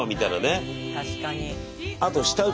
確かに。